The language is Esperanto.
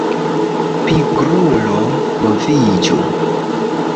Pigrulo moviĝu!